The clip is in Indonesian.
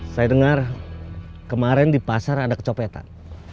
saya dengar kemarin di pasar ada kecopetan